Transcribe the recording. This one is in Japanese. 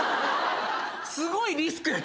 すごいリスクやけん。